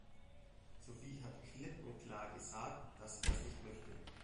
Sophie hat klipp und klar gesagt, dass sie das nicht möchte.